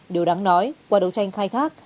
điều đáng nói qua đấu tranh khai thác